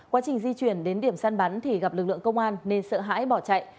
quá trình di chuyển đến điểm săn bắn thì gặp lực lượng công an nên sợ hãi bỏ chạy